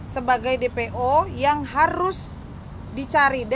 sebagai dpo yang harus dicari